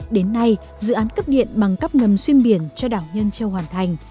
đến nay dự án cấp điện bằng cấp ngầm xuyên biển cho đảo nhơn châu hoàn thành